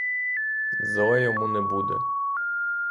Зле йому не буде.